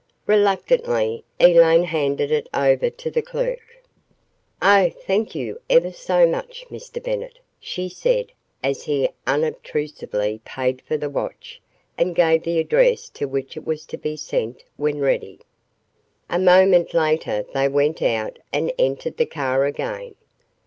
Reluctantly, Elaine handed it over to the clerk. "Oh, thank you, ever so much, Mr. Bennett," she said as he unobtrusively paid for the watch and gave the address to which it was to be sent when ready. A moment later they went out and entered the car again.